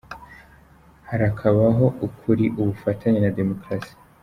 Harakabaho ukuri , ubufatanye na demokarasi